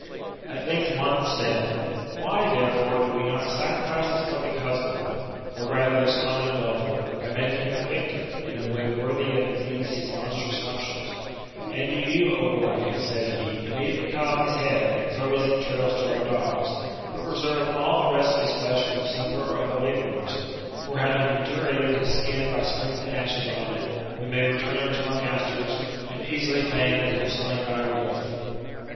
At length one of them said :" Why, therefore, do W6 not sacrifice this public husband, or rather this common adulterer, by making him a victim, in a way worthy of these his monstrous nuptials ? And do you, O boy," said he, " immedi ately cut off his head, and throw his entrails to our dogs ; but reserve all the rest of his flesh for the supper of the laboufer^; for, having indurated his skin by sprinkling ashes on it, We may return it to our masters, and easily feign that he was s^ainf by a wolf."